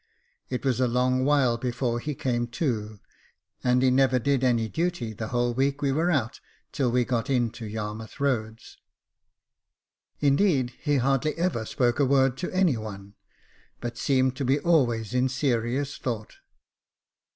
It was a long while before he came to, and he never did any duty the whole week we were out, till we got into Yarmouth Roads j indeed, he hardly ever spoke a word to any one, but seemed to be always ia serious thought.